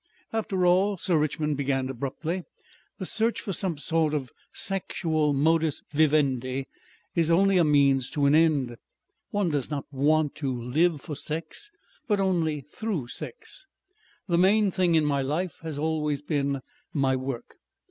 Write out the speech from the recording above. "After all," Sir Richmond began abruptly, "the search for some sort of sexual modus vivendi is only a means to an end. One does not want to live for sex but only through sex. The main thing in my life has always been my work.